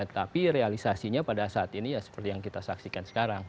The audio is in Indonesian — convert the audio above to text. tapi realisasinya pada saat ini ya seperti yang kita saksikan sekarang